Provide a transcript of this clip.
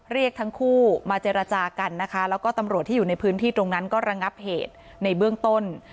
เรียกทั้งคู่มาเจรจากันนะคะแล้วก็ตำรวจที่อยู่ในพื้นที่ตรงนั้นก็ระงับเหตุในเบื้องต้น